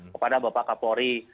kepada bapak kapolri